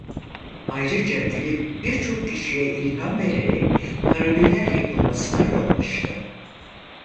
Ayrıca klip birçok kişiye ilham vererek parodiler yapılmasına yol açtı.